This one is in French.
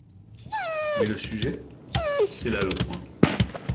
Mais le sujet ? c'est là le point.